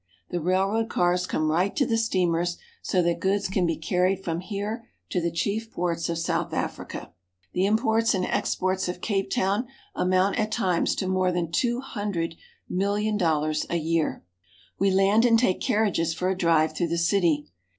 The railroad cars come right to the steamers, so that goods can be carried from here to the chief ports of South Africa. The imports and exports of Cape Town amount at times to more than two hundred million dollars a year. We land and take carriages for a drive through the city.